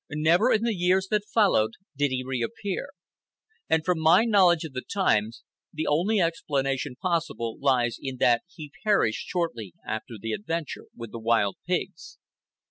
Never, in the years that followed, did he reappear. And from my knowledge of the times, the only explanation possible lies in that he perished shortly after the adventure with the wild pigs.